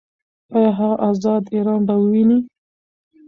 ایا هغه ازاد ایران به وویني؟